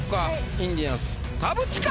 インディアンス田渕か？